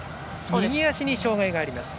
右足に障がいがあります。